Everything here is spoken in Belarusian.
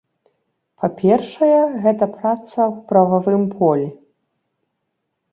Па-першае, гэта праца ў прававым полі.